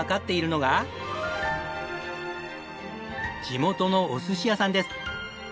地元のお寿司屋さんです。